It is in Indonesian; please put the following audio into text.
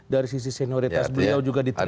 dari sisi senioritas beliau juga diterima